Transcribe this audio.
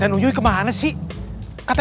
jangan main main lukman